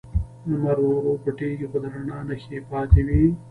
لمر ورو ورو پټیږي، خو د رڼا نښې یې پاتې وي.